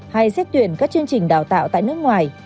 hay xét tuyển các chương trình đào tạo tại nước ngoài